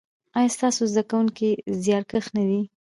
ایا ستاسو زده کونکي زیارکښ نه دي؟